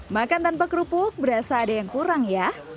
makan tanpa kerupuk berasa ada yang kurang ya